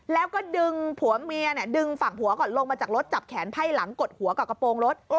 แล้วก็ดึงผัวเมียดึงฝั่งผัวก่อนลงมาจากรถจับแขนไพ่หลังกดหัวกับกระโปรงรถ